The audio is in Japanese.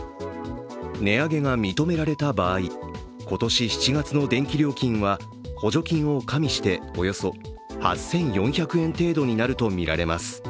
値上げが認められた場合今年７月の電気料金は補助金を加味しておよそ８４００円程度になるとみられます。